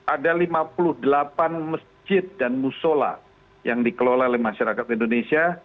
ada lima puluh delapan masjid dan musola yang dikelola oleh masyarakat indonesia